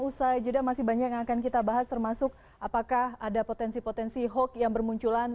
usai jeda masih banyak yang akan kita bahas termasuk apakah ada potensi potensi hoax yang bermunculan